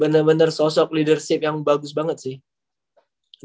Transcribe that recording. bener bener sosok leadership yang bagus banget sih